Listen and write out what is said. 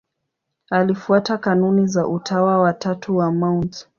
Alifuata kanuni za Utawa wa Tatu wa Mt.